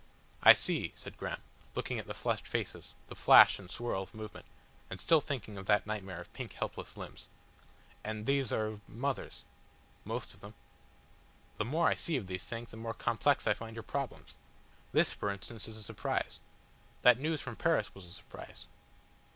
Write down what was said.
"I see," said Graham, looking at the flushed faces, the flash and swirl of movement, and still thinking of that nightmare of pink helpless limbs. "And these are mothers." "Most of them." "The more I see of these things the more complex I find your problems. This, for instance, is a surprise. That news from Paris was a surprise."